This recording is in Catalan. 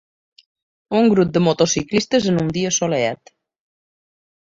Un grup de motociclistes en un dia assolellat.